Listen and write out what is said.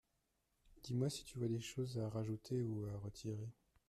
Dis-moi si tu vois des choses à rajouter ou à retirer.